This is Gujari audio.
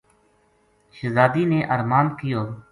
شہزادی نے ارماند کیو